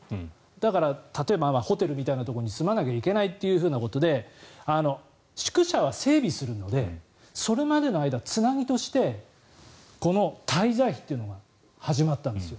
だから、例えばホテルみたいなところに住まなきゃいけないということで宿舎は整備するのでそれまでの間、つなぎとしてこの滞在費というのが始まったんです。